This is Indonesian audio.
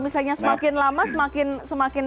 misalnya semakin lama semakin